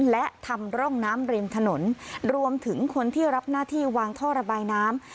และทำร่องน้ำริมถนนรวมถึงคนที่รับหน้าที่วางท่อระบายน้ำ